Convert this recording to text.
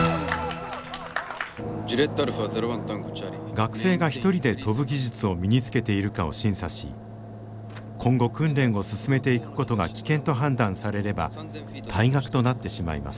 学生が一人で飛ぶ技術を身につけているかを審査し今後訓練を進めていくことが危険と判断されれば退学となってしまいます。